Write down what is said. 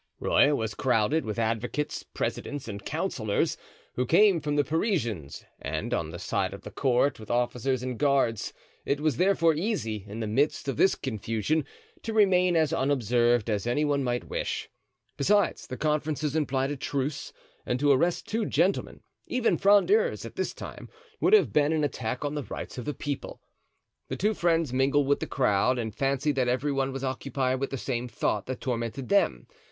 Rueil was crowded with advocates, presidents and councillors, who came from the Parisians, and, on the side of the court, with officers and guards; it was therefore easy, in the midst of this confusion, to remain as unobserved as any one might wish; besides, the conferences implied a truce, and to arrest two gentlemen, even Frondeurs, at this time, would have been an attack on the rights of the people. The two friends mingled with the crowd and fancied that every one was occupied with the same thought that tormented them.